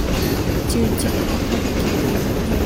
Circik pakhat a tlik len ka hmuh.